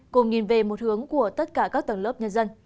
cùng nhìn về một hướng của tất cả các tầng lớp nhân dân